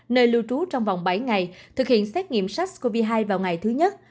nơi lưu trú trong vòng bảy ngày thực hiện xét nghiệm sars cov hai vào ngày thứ nhất